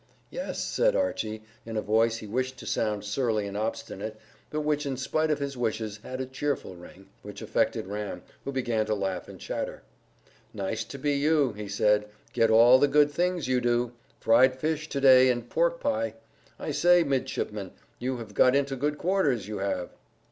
"Yes," said Archy, in a voice he wished to sound surly and obstinate, but which in spite of his wishes had a cheerful ring, which affected Ram, who began to laugh and chatter. "Nice to be you," he said. "Get all the good things, you do. Fried fish to day, and pork pie. I say, midshipman, you have got into good quarters, you have."